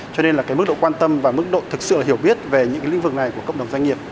cho nên là cái mức độ quan tâm và mức độ thực sự hiểu biết về những cái lĩnh vực này của cộng đồng doanh nghiệp